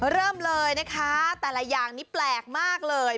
เริ่มเลยนะคะแต่ละอย่างนี้แปลกมากเลย